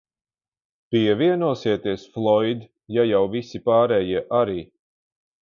Pievienosieties, Floid, ja jau visi pārējie arī?